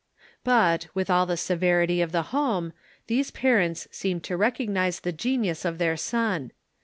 But, with all the severity of the home, these parents seemed to recognize the genius of their son.